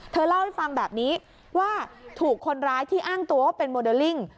เธอเล่าให้ฟังแบบนี้ว่าถูกคนร้ายที่อ้างตัวว่าเป็นโมเดลลิ่ง